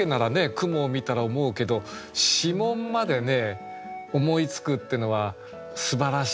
雲を見たら思うけど指紋までね思いつくってのはすばらしいですね。